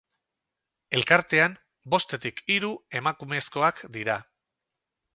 Elkartean bostetik hiru emakumezkoak dira.